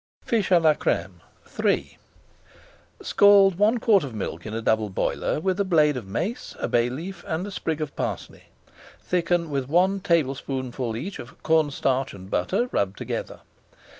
FISH À LA CRÈME III Scald one quart of milk in a double boiler with a blade of mace, a bay leaf, and a sprig of parsley. Thicken with one tablespoonful each of corn starch and butter rubbed together.